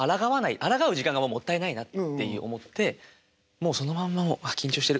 あらがう時間がもったいないなって思ってもうそのまんまを「ああ緊張してる。